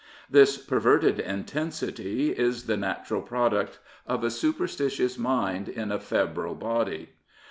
This perverted intensity is the natural product of a superstitious mind in a febrile body.